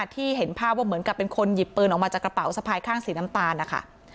ที่เห็นภาพว่าเหมือนกับเป็นคนหยิบปืนออกมาจากกระเป๋าสะพายข้างสีน้ำตาลนะคะ